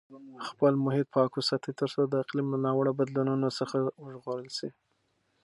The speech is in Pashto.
خپل محیط پاک وساتئ ترڅو د اقلیم له ناوړه بدلونونو څخه وژغورل شئ.